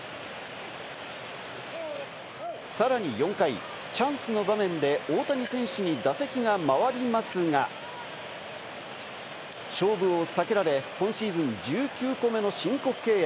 さらに４回、チャンスの場面で大谷選手に打席が回りますが、勝負を避けられ、今シーズン１９個目の申告敬遠。